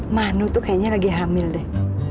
manu tuh kayaknya lagi hamil deh